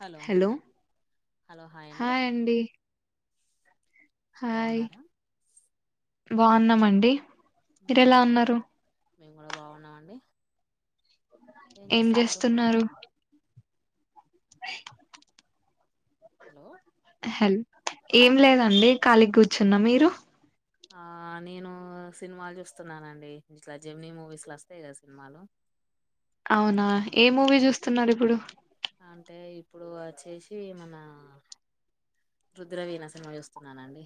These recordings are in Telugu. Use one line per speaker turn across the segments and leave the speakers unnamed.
హలో
హెలో, హాయ్ అండి.
బావున్నారా.
బాన్నామండి, మీరెలా ఉన్నారు.
మేము కూడా, బాన్నామ అండి.
ఏం జేస్తున్నారు. అ [unintelligible]
హలో
హల్ ఏం లేదండి కాళికుర్ర్చున్న మీరు
ఆ నేను సినిమాలు చూస్తున్నానండి ఇట్లా జెమినీ మూవీస్ల అస్తయి గదా సినిమాలు
అవునా
ఆ,
ఏ మూవీ జూస్తున్నారు ఇప్పుడు
అంటే ఇప్పుడు అచ్చేసి మన రుద్రవీన సినిమా చూస్తున్నానండి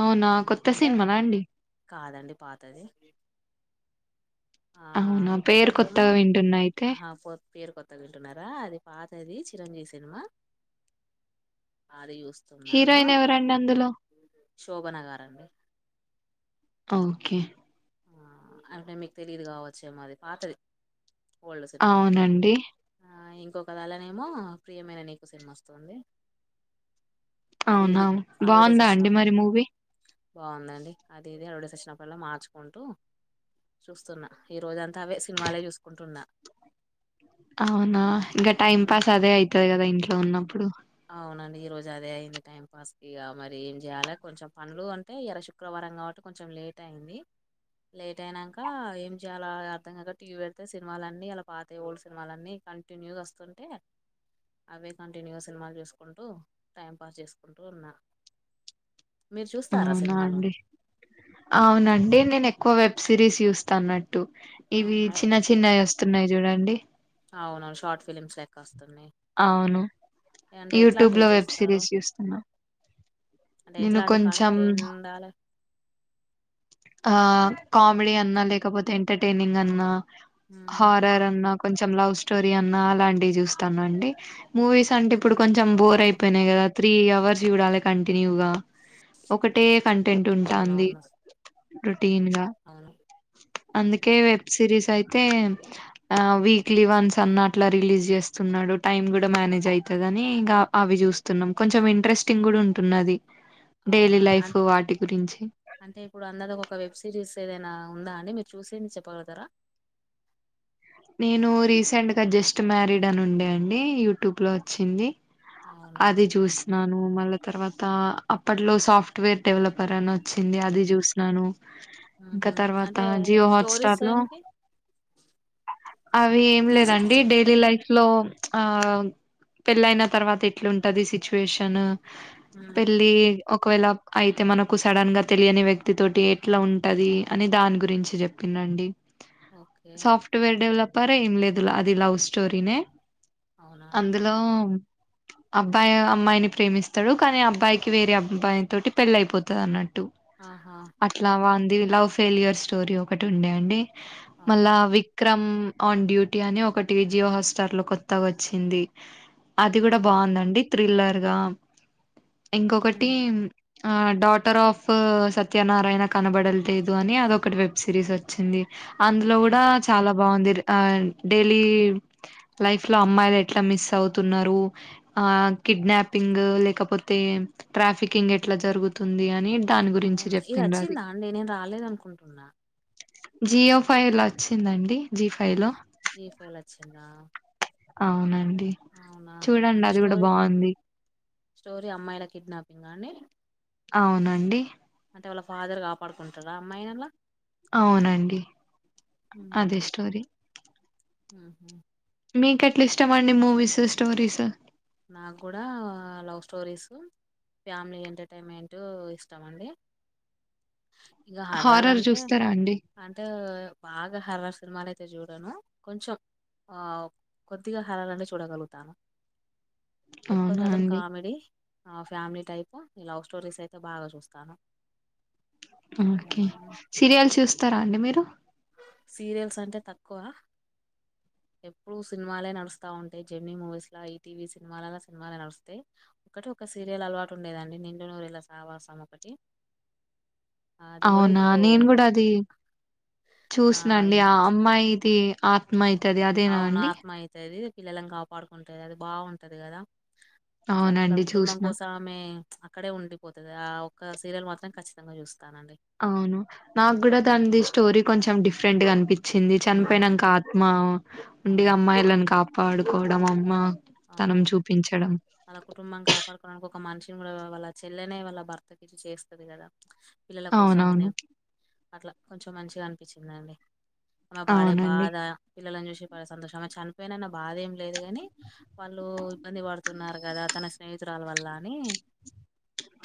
అవునా కొత్త
అంటే
సినిమనా అండి
కాదండి పాతది ఆ
అవునా పేరు
ఇంకొకటేమో
కొత్తగా వింటున్నా అయితే
కొత్తగింటున్నారా అది పాతది చిరంజీవి సినిమా అది యు
హీరోయిన్ ఎవరండి అందులో
శోభనగారండి
ఓకే
ఆ అంటే మీకు తెలీదు కావచ్చేమో అది పాతది ఓల్డ్ సినిమా
అవునండి
ఆ ఇం ఇంకొకదళనేమో ప్రియమైన నీకు సినిమా ఓస్తుంది
అవునా బాగుందా అండి
వచ్చినప్పుడు
మరి మూవీ
బాగుందండి అది ఇది అడవడేస్ వచ్చినప్పుడల్లా మార్చు కుంటూ చూస్తున్నా ఈ రోజంతా అవే సినిమాలే చూసుకుంటున్నా
అవునా ఇంకా టైం
ఉమ్,
పాస్ అదే అయితది కదా ఇంట్లో ఉన్నప్పుడు
అవునండి ఈ రోజు అదే అయింది టైం పాస్ కి ఇగ మరి ఏం చేయాలి కొంచెం పనులు అంటే ఇయ్యాల శుక్రవారం కాబట్టి కొంచెం లేట్ అయింది లేట్ అయినాక ఏం చెయ్యాలా అర్థం కాక టీవీ పెడితే సినిమాలన్నీ ఇయ్యాల పాతయి ఓల్డ్ సినిమాలన్నీ కంటిన్యూగా వస్తుంటే అవే కంటిన్యూస్ సినిమాలు చూసుకుంటూ టైంపాస్ చేసుకుంటూ ఉన్నాను మీరు చూస్
అవునా అండి అవునండి నేను ఎక్కువ వెబ్ సిరీస్ చూస్తానం టు ఇవి
అవునా
చిన్న చిన్నయి వస్తున్నాయి చూడండి
అవును షార్ట్ ఫిలిమ్స్ లెక్క ఓస్
అవును యూట్యూబ్
ఎట్లాంటివి
లో వెబ్
చూస్తారు
సిరీస్ చూస్తున్నా
అంటే
నేను
ఎట్లాంటి
కొంచెం
కంటెండ్ ఉండాలే
ఆ కామెడీ అన్నా లేకపోతే ఎంటర్టైనింగ్ అన్నా
ఉమ్
హారర్ అన్నా కొంచెం లవ్ స్టోరీ అన్నా అలాంటివి చూస్తాను అండి మూవీస్ అంటే ఇప్పుడు కొంచెం బోర్
అవును
అయిపోయినాయి కదా త్రీ అవర్స్ చూడాలి కంటిన్యూగా ఒకటే కంటెంట్ ఉంటాంది
అవునవును
టీన్గా
అవును
అందుకే వెబ్ సిరీస్ అయితే ఆ వీక్లీ వన్స్ అన్నా అట్లా రిలీజ్ చేస్తున్నాడు టైమ్ కూడా మేనేజ్ అయితదని ఇంకా అవి చూస్తున్నాం కొంచెం ఇంట్రెస్టింగ్ కూడా ఉంటున్నది డైలీ
అవునా
లైఫ్
అన్
వాటి గురించి
అంటే ఇప్పుడు అందాదా ఒక వెబ్ సిరీస్ ఏదైనా ఉందా అండి మీరు చూసింది చెప్పగలుగుతరా
నేను రీసెంట్ గా జస్ట్ మ్యారీడ్ అని ఉండే అండి యూట్యూబ్ లో వచ్చింది
అవునా
అది చూసినాను మళ్ళా తర్వాత అప్పట్లో సాఫ్ట్వేర్ డెవలపర్ అని వచ్చింది అది చూసినాను ఇంకా
ఆహా
తర్వాత
అంటే
జియో హాట్
స్టోరీస్
స్టార్ లో
ఏంటి
అవి ఏం లేదండి డైలీ లైఫ్ లో ఆ పెళ్లయిన తర్వాత ఎట్లుంటది సిట్చువేషన్
ఉమ్
పెళ్లి ఒకవేళ అయితే మనకు సడన్ గా తెలియని వ్యక్తి తోటి ఎట్లా ఉంటది అని దాని గురించి చెప్పి నండి
ఓకే
సాఫ్ట్వేర్ డెవలపర్ ఏం లేదు అది లవ్ స్టోరీనే
అవునా అండి
అందులో అబ్బాయి అమ్మాయిని ప్రేమిస్తాడు కానీ అబ్బాయికి వేరే అబ్బాయి తోటి పెళ్లి అయిపోతది అన్నట్టు
ఆహా
అట్ల వాంది లవ్ ఫెలియర్ స్టోరీ ఒకటి ఉండే అండి
అవునా
మల్లా విక్రమ్ ఆన్ డ్యూటీ అని ఒకటి జియో హాస్టార్ లో కొత్తగా వచ్చింది అది కూడా
ఉమ్
బాగుందండి థ్రిల్లర్ గా ఇంకొకటి
ఉమ్
ఆ డాటర్ ఆఫ్ సత్యనారాయణ కనబడుటలేదు అని అదొకటి వెబ్ సిరీస్ వచ్చింది అందులో
ఆ
కూడా చాల బాగుంది డైలీ లైఫ్ లో అమ్మాయిలు ఎట్లా మిస్ అవుతున్నారు ఆ కిడ్నాపింగ్ లేకపోతే ట్రాఫికింగ్ ఎట్ల జరుగుతుంది అని దాని గురించి
అవునా ఇది
చెప్పిండ్రు అది
వచ్చిందా అండి నేను రాలేదు అనుకుంటున్నా
జియో ఫైవ్ లో వచ్చిందండి జీ ఫైవ్ లో
ఒకే జీ ఫైవ్ లో వచ్చిందా
అవునండి
అవునా
చూడండి
అంటే
అది కూడ
స్టోరీ
బాగుంది
స్టోరీ అమ్మాయిల కిడ్నాపింగ్ ఆ అండి
అవునండి
అంటే వాళ్ళ ఫాదర్ కాపాడుకుంటాడా అమ్మాయిని అల
అవునండి అదే స్టోరీ
హు హు
మీకు ఎట్లా ఇష్టం అండి మూవీస్ స్టోరీస్
నాకు కూడా లవ్ స్టోరీసు ఫ్యామిలీ ఎంటర్టైన్మెంటు ఇష్టం అండి ఇంగ హర్రార్
హారర్
అంటే
చూస్తారా అండి?
అంటే బాగా హరర్ సినిమాలయితే చూడను కొంచెం కొద్దిగా హారర్ అయితే చూడగలుగుతాను ఎక్కువ
అవునా
శాతం
అండి
కామెడీ ఆ ఫ్యామిలీ టై [unintelligible] లవ్ స్టోరీస్ అయితే బాగా చూస్తాను
ఒకే
మ్మ్.
సీరియల్ చూస్తారా అండి మీరు
సీరియల్స్ అంటే తక్కువ ఎప్పుడు సినిమాలే నడుస్తా ఉంటాయ్ జామినీ మూవీస్ లా ఈటీవీ సినిమాలలా సినిమాలే నడుస్తాయి ఒకటి సీరియల్ అలవాటు ఉండేదండి నిండునూరు ఏళ్ల సావాసం ఒకటి ఆ, అది కూడా
అవునా
ఇప్పుడు
నేను కూడా అది
ఆ
చూసిన అండి
ఈ-
ఆ అమ్మాయి [unintelligible] ఆత్మయి
అవును ఆత్మ అయితది పిల్లలలను కాపాడు కుంటది అది బాగుంటది కదా అట్ల వాళ్ళ
అవునండి
కుటుంబం
చూసిన.
కోసమే అక్కడే ఉండిపోతద ఆ ఒక్క సీరియల్ మాత్రం ఖచ్చితంగా చూస్త
అవును నాకు కూడా దానిది స్టోరీ కొంచెం డిఫరెంట్ గా అనిపించింది
ఉమ్,
చనిపోయినాక ఆత్మ ఉండి ఇగ
అవును
అమ్మాయిలను కాపాడుకోవడం అమ్మ తనం
అవును
చూపించడం.
తన కుటుంబాం కాపాడుకోవడానికి ఒక మనిషిని కూడ వాళ్ళ చెల్లెనే వాళ్ళ భర్తకి ఇచేస్తుంది కదా పిల్లల కోసం అని
అవునవును.
అట్ల కొంచెం మంచిగా అనిపిచిందండి అమ్మ బాడే
అవునండి.
బాధ పిల్లలను చూసి సంతోషం అ చనిపోయినన్న బాధ ఏం లేదు గాని వాళ్ళు ఇబ్బంది పడుతున్నారు కదా తన స్నేహితురాల వల్ల అని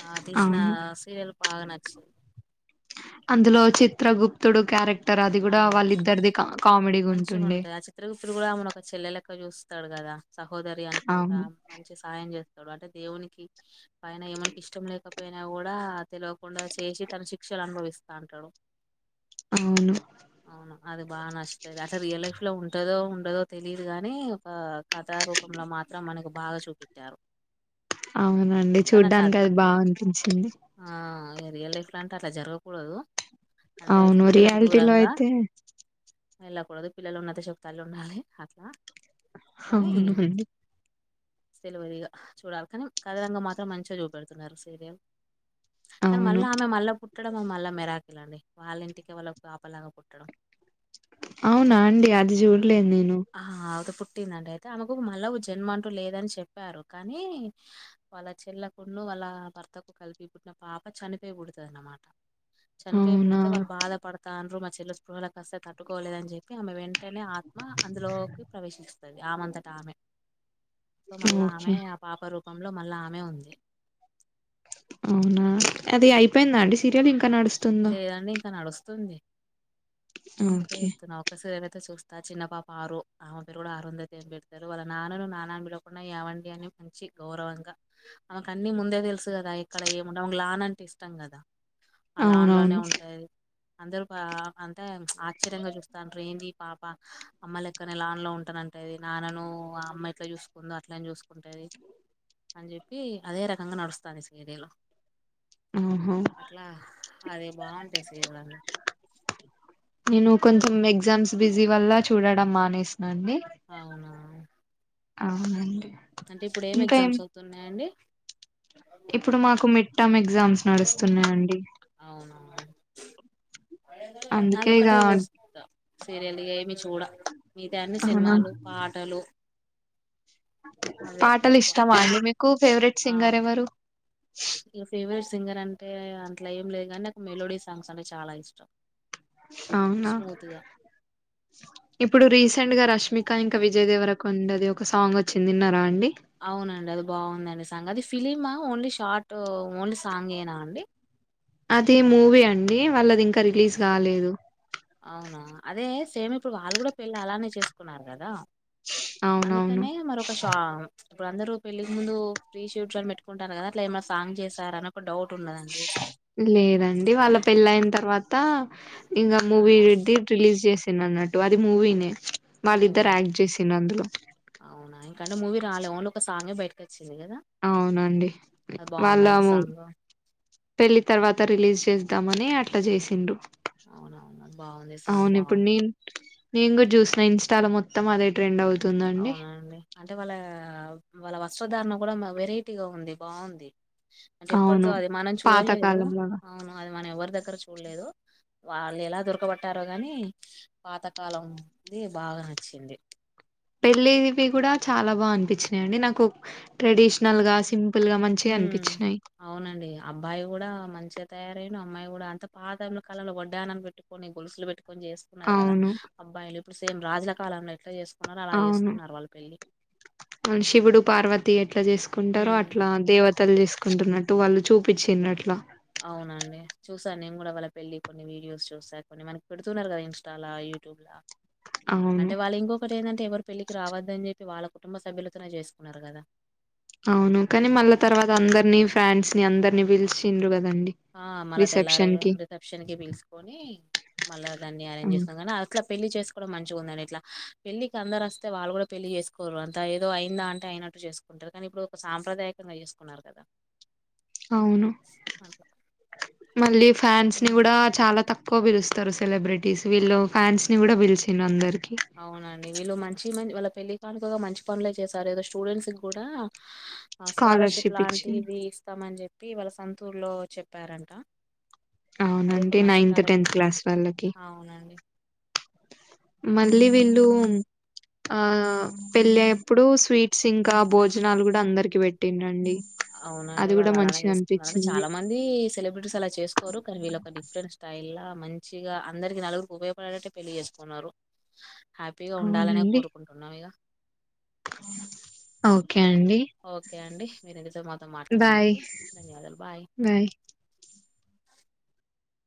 ఆ తీసిన
అవును.
సీరియల్ బాగ నచ్
అందులో చిత్రగుప్తుడు క్యారె
అవును మంచిగా
కామెడీగుంటుండే.
ఉంటాయి ఆ చిత్రగుప్తుడు కూడా ఆమెను ఒక చెల్లె లెక్క చూస్ వస్తాడు కదా సహోదరి అనుకుంటా
అవును.
మంచి సాయం చేస్తాడు అంటే దేవునికి పయన ఏమునికి ఇష్టం లే కాకపోయినా కూడా తెలియకుండా చేసి తన శిక్షలు అనుభవిస్తుంటాడు
అవును
అది బాగ నచ్చతది అలా రియల్ లైఫ్ లో ఉంటదో ఉండదో తెలిదు గాని ఒక కథ రూపంలో [unintelligible] మాత్రం మనకు బాగ చూపిచారు
అవునండి చూడ్డానికి అది బాగా అనిపించింది
ఆ రియల్ లైఫ్ లాంటే అలా జరగకూడదు అంటే
అవును
పిల్లలకు
రియాలిటీలో
దూరంగా
అయితే
వెళ్ళకూడదు పిల్లలు ఉన్నద శక్తాళు ఉండాలి అట్లా
అవును అండి
సెలవరగా చూడాలి కానీ కథ రంగం మాత్రం మంచిగా చూపెడుతున్నారు సీరియల్ కానీ
అవును
మళ్ళీ ఆమె మళ్ళా పుట్టడం మళ్ళా మెరాకిలండి వాళ్ళ ఇంటికి వాళ్ళ కోపలాగా పుట్టడం
అవునా అండి అది చూడలేదు నేను
ఆ ఆమెకు పుట్టిందండి అయితే ఆమెకు మళ్ళా జన్మ అంటూ లేదని చెప్పారు కానీ వాళ్ళ చెల్లలకుడు అలా భర్తకు కలిపి పుట్టిన పాప చనిపోయి పడుతుంది అన్నమాట చనిపోయి
అవునా
పడితే వాళ్ళు బాధ పడత తండ మా చెల్ల స్పృహాల కాస్తే తట్టుకోలేద అని చెప్పి ఆమె వెంటనే ఆత్మ అందులోకి ప్రవేశిస్తుంది అమంతటమెే సో మళ్ళా ఆమె
ఓకే
ఆ పాప రూపంలో మళ్ళా ఆమె ఉంది
అవునా అది అయిపోయిందా అండి సీరియల్ ఇంకా నడుస్తుందా
లేదండి ఇంకా నడుస్తుంది అందుకే
ఓకే
చెప్తున్నా ఒకస అ చూస్తా చిన్న పాప ఆరు ఆమె పేరు కూడా ఆరుందతి పెడతారు వాళ్ళ నాన్నని నాన్న పిలవకుండా ఏవండి అని మంచి గౌరవంగా ఆమెకు అన్ని ముందే తెలుసు కదా ఇక్కడ ఏమున్న లాన ఇష్టం కదా అలాంలోనే
అవునవును
ఉంటాయి అందరు అంటే ఆశ్చర్యంగా చూస్తండ్రి ఏంది ఈ పాప అమ్మలేక్కనే లాన్లో ఉంటానంటే నాన్నను అమ్మ ఎట్లా చూసుకుందో అట్లే చూసుకుంటది అని చెప్పి అదే రకంగా నడుస్తాంది సీరిల్లో
ఆహా
అదే బాగుంటది సీరియలు
నేను కొంచెం ఎగ్జామ్స్ బిజీ వల్ల చూడడం మానేస్
అవ్నా
అవునండి
అంటే ఇప్పుడు ఏం ఎగ్జామ్స్ అవుతున్నాయండి
ఇప్పుడు మాకు మిడ్ టర్మ్ ఎగ్జామ్స్ నడుస్తున్నాయ్ అండి
అది ఒక్కటే చూస్తా సీరియల్ ఏమి చూడ మితాయన్ని
అవునా
సినిమాలు పాటలు అవే
పాటలు
ఎక్కువ
ఇష్టమా అండి మీకు ఫేవరెట్ సింగర్ ఎవరు
ఇ ఫేవరెట్ సింగర్ అంటే అట్లా ఏం లేదు కానీ నాకు మెలోడీ సాంగ్స్ అంటే చాలా ఇష్టం
అవునా
స్మూత్ గా
ఇప్పుడు రీసెంట్ గా రష్మిక ఇంకా విజయ్ దేవర కొండాది ఒక సాంగ్ వచ్చి విన్నార అండి
అవునండి అది బాగుందండి సాంగ్ అది ఫిలిమా ఓన్లీ షార్ట్ ఓన్లీ సాంగేనా అండి
అది మూవీ అండి వాళ్ళది ఇంకా రిలీజ్ కాలేదు
అవునా! అదే సేమ్ ఇప్పుడు వాళ్ళు కూడా పెళ్ళి అలానే చేసుకున్నారు కదా
అవునవును
అందుకనే మరొక ష ఇప్పుడు అందరూ పెళ్లిి ముందు ఫ్రీ షూట్ అని పెట్టుకుంటారు కదా అట్లా ఏమైనా సాంగ్ చేశార అని ఒక డౌట్ ఉన్నదండి.
లేదండి వాళ్ళ పెళ్ళైన తర్వాత అ ఇంకా
ఆ!
మూవీది రిలీజ్ చేసాను అన్నట్టు అది మూవీనే వాళ్ళిద్దరు
మూవీనే.
యాక్ట్ చేసింది అందులో
అయినా మూవీ రాల ఓన్లీ ఒక సాంగ్ బయటకి వచ్చి
అవునండి వాళ్ళ
బావుందా అండి సాంగు?
పెళ్లి తర్వాత రిలీజ్ చేద్దామని అట్లా చేసిండ్రు
బాగుంది సాంగ్
అవును ఇప్పుడు
బాగుంది
నేను నేను కూడా చూసిన ఇస్టాలో మొత్తం అదే ట్రెండ్ అవుతు
అవునండి అంటే వాళ్ళ వాళ్ళ వస్త్రధారణ కూడా వెరైటీగా ఉంది బాగుంది అంటే ఎప్పటిదో
అవును
అది మనం చూడలేదు
పాతకాలంలాగా
అవును అది మనం ఎవరి దగ్గర చూడలేదు వాళ్ళు ఎలా దొరకబట్టారో గానీ పాతకాలంది బాగా నచ్చింది
పెళ్ళివి కూడా చాలా బాగా అనిపించినాయండి నాకు ట్రెడిషనల్ గా సిం
హ్మ్ అవునండి అబ్బాయి కూడా మంచిగా తయారయిం అమ్మాయి కూడా అంత పాతల కాలంలో వడ్డానం పెట్టుకొని గొలుసులు పెట్టుకొని చేస్తుకున్నారు కదా
అవును.
అబ్బాయిలు సేమ్ రాజుల కాలంలో ఎట్లా చేసు
అవును శివుడు పార్వత్ ఏట్లా చేసుకుంటారో
ఉమ్
అట్లా దేవతలు చేసుకుంటున్నట్టు వాళ్ళు చూపించినర్ట్లా
సా నేను కూడా వాళ్ళ పెళ్లియి కొన్ని వీడియోస్ చూసా కొన్ని మనకి పెడుతున్నారు కదా ఇస్టాలా యూట్యూబ్లా
అవును.
అంటే వాళ్ళు ఇంకొక్కటి ఏందంటే ఎవరు పెళ్ళికి రావద్దని చెప్పి వాళ్ళ కుటుంబ సభ్యులతోనే చేసుకున్నారు కదా
అవును కానీ మల్లా తర్వాత అందరినీ ఫాన్స్ ని అందరినీ పిలిచిండ్రు కద్
ఆ మల్లా తెల్లారు రిసెప్షన్ కి పిలుసుకొని మళ్ళ దాన్ని అరేంజ్
హ్మ్.
చేసా కానీ అట్లా పెళ్లి చేస్ మంచి ఉందని ఇట్లా పెళ్ళి కి అందరు వస్తే వాళ్ళు కూడా పెళ్లి చేసుకోరు అంత ఏదో అయిందా అంటే అయినట్టు చేసుకో టార్ కానీ ఇప్పుడు ఒక సాంప్రదాయకంగా చేసుకున్నారు కదా
అవును మళ్ళీ ఫ్యాన్స్ ని
హ్మ్.
కూడా
ఇంకా
చాలా తక్కువ పిలుస్ స్తారు సెలబ్రిటీస్ వీళ్ళు ఫ్యాన్స్ ని కూడా పిలిచిడ్రు అందరి
అవునండి వీళ్ళు మంచి మం వాళ్ళ పెళ్ళి కానుకగా మంచి పనులే చేసారు ఏదో స్టూడెంట్స్ కి కూడా ఆ స్కాలర్షిప్
స్కాలర్‌షిప్ ఇచ్చిండ్రు.
లాంటిది ఇస్తామని చెప్పి వాళ్ళ సంతూర్ లో చెప్పారంట అది ఒక
అవునండి
మంచి
నైన్త్ టెన్త్
కార్యక్రమం కదా
క్లాస్ వాళ్ళకి
అవునండి
మళ్ళీ విళ్ళు ఆ పెళ్ళేప్పుడు స్వీట్స్ ఇంకా భోజనాలు కూడా అందరికి పెట్టింరండి
అవునండి వాళ్ళు అలానే చేసుకున్నారు అంటే చాలా మంది సెలబ్రిటీస్ అలా చేసుకోరు కానీ వీళ్ళొక డిఫరెంట్ స్టైల్లా గా మంచిగా అందరికి నలుగురికి ఉపయోగపడేట్టే పెళ్లి చేసుకున్నారు హ్యాపీగా ఉండాలనే
అవునండి
కోరుకుంటున్నాం ఇగ
ఓకే అండి
ఓకే అండి మీరింతసేపు మాతో మాట్లాడినందుకు
బాయ్
ధన్యవాదాలు బాయ్